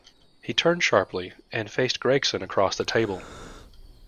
He turned sharply, and faced Gregson across the table.